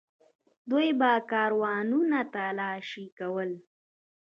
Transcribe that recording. دوی به کاروانونه تالاشي کول.